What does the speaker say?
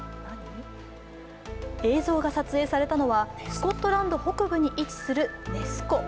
映像が撮影されたのは、スコットランド北部に位置するネス湖。